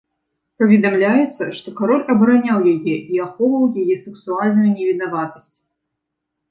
Паведамляецца, што кароль абараняў яе і ахоўваў яе сэксуальную невінаватасць.